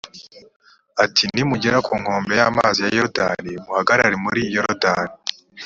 uti ’nimugera ku nkombe y’amazi ya yorudani, muhagarare muri yorudani.’»